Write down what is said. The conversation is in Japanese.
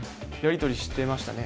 やり取りしていましたね。